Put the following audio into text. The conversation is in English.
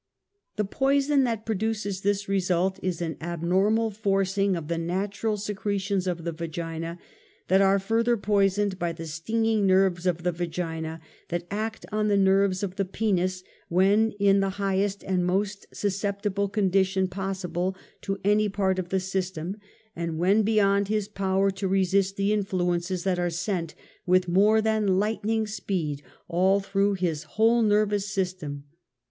The poison that produces this result, is an abnor mal forcing of the natural secretions of the vagina^ that are farther poisoned by the stinging nerves of the vagina that act on the nerves of the penis Avhen in the highest and most susceptible condition possi ble to any part of the system, and when beyond his power to resist the influences that are sent with more than lightning speed all through his whole nerve sys \^ tern.